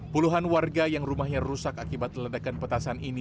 puluhan warga yang rumahnya rusak akibat ledakan petasan ini